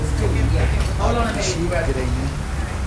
پھاگ پِشِیک گِرئنی۔